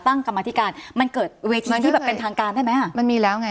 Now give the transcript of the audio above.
ตั้งกรรมธิการมันเกิดเวทีที่แบบเป็นทางการได้ไหมอ่ะ